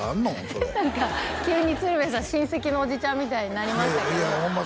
それ何か急に鶴瓶さん親戚のおじちゃんみたいになりましたけどいやいやホンマ